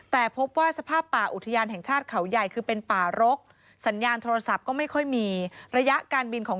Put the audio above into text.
แต่พบว่าสภาพป่าอุทยานแห่งชาติเขาใหญ่คือเป็นป่ารก